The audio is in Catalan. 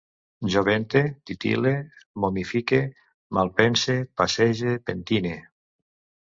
Jo vente, titil·le, momifique, malpense, passege, pentine